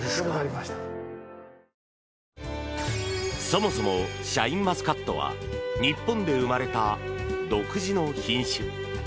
そもそもシャインマスカットは日本で生まれた独自の品種。